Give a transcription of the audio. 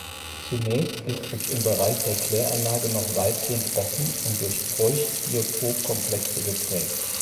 Zunächst ist es im Bereich der Kläranlage noch weitgehend offen und durch Feuchtbiotopkomplexe geprägt.